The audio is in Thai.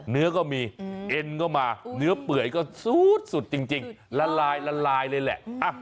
เนื้อก็มีเอ็นก็มาเนื้อเปื่อยก็ซูดสุดจริงละลายละลายเลยแหละ